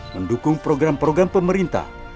mendukung program program pemerintah